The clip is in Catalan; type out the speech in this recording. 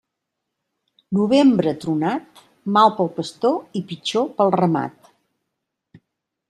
Novembre tronat, mal pel pastor i pitjor pel ramat.